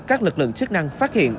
các lực lượng chức năng phát hiện